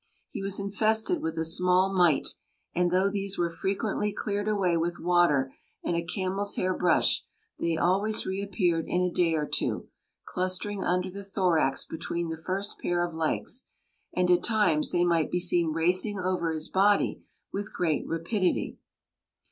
He was infested with a small mite, and though these were frequently cleared away with water and a camel's hair brush, they always reappeared in a day or two, clustering under the thorax between the first pair of legs, and at times they might be seen racing over his body with great rapidity.